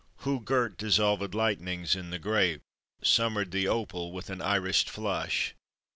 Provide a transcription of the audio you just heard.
Who girt dissolvèd lightnings in the grape? Summered the opal with an Irised flush?